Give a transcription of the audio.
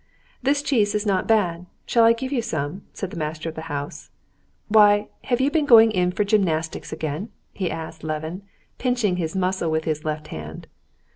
"This cheese is not bad. Shall I give you some?" said the master of the house. "Why, have you been going in for gymnastics again?" he asked Levin, pinching his muscle with his left hand.